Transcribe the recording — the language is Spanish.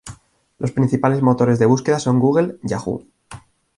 Los principales motores de búsqueda son Google, Yahoo!